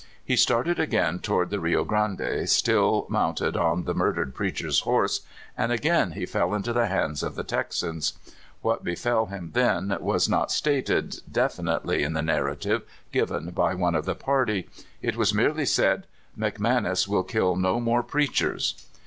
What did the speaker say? He started again toward the Rio Grande, still mounted on the murdered preacher's horse, and again he fell into the hands of the Texans. What befell him then was not stated definitely in the nar rative given by one of the party. It was merely said: '* McManus will kill no more preachers."